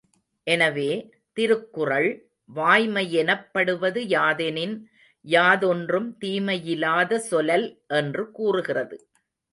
எனவே, திருக்குறள், வாய்மை யெனப்படுவது யாதெனின் யாதொன்றும் தீமை யிலாத சொலல் என்று கூறுகிறது.